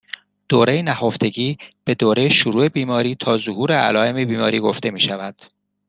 دوره نهفتگی به دوره شروع بیماری تا ظهور علایم بیماری گفته میشود